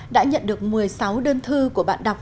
đã nhận được một mươi sáu đơn thư của bạn đọc